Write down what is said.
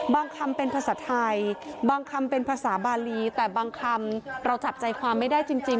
คำเป็นภาษาไทยบางคำเป็นภาษาบาลีแต่บางคำเราจับใจความไม่ได้จริง